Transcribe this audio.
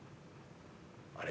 あれ？